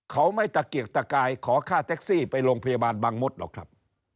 เขาไม่ตะเกียกตะกายขอค่าแท็กซี่ไปโรงพยาบาลบางมดหรอกครับ